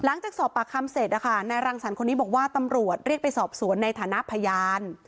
หลังจากสอบปากคำเสร็จนะคะนายรังสรรค์คนนี้บอกว่าตำรวจเรียกไปสอบสวนในฐานะพยาน